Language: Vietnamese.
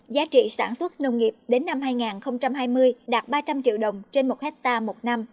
giá trị sản xuất nông nghiệp đến năm hai nghìn hai mươi đạt ba trăm linh triệu đồng trên một hectare một năm